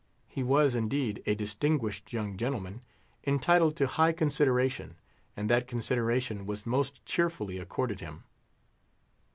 He was, indeed, a distinguished young gentleman, entitled to high consideration, and that consideration was most cheerfully accorded him.